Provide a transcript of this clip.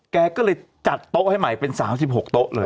แกก็เลยจัดโต๊ะให้ใหม่เป็น๓๖โต๊ะเลย